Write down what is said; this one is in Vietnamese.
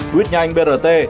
quyết nhanh brt